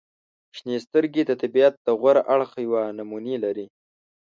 • شنې سترګې د طبیعت د غوره اړخ یوه نمونې لري.